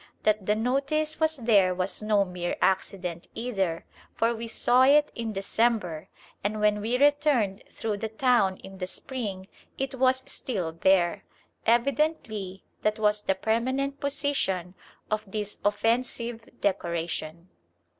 That the notice was there was no mere accident either, for we saw it in December, and when we returned through the town in the spring it was still there. Evidently that was the permanent position of this offensive decoration.